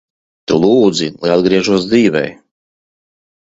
Tu lūdzi, lai atgriežos dzīvē.